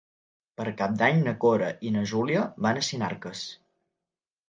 Per Cap d'Any na Cora i na Júlia van a Sinarques.